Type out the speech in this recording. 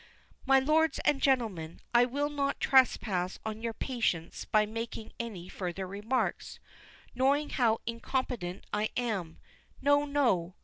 "MY LORDS AND GENTLEMEN I will not trespass on your patience by making any further remarks; knowing how incompetent I am no, no!